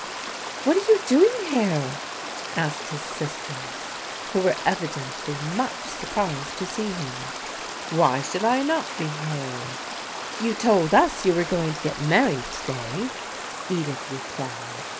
"What are you doing here?" asked his sisters, who were evidently much surprised to see him. " Why should I not be here? "•" You told us you were going to get married to day," Edith replied.